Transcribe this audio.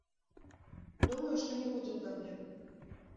Думаю, што не будзе праблем.